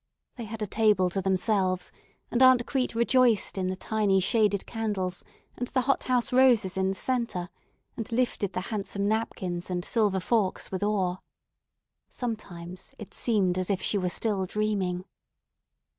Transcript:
They had a table to themselves, and Aunt Crete rejoiced in the tiny shaded candles and the hothouse roses in the centre, and lifted the handsome napkins and silver forks with awe. Sometimes it seemed as if she were still dreaming.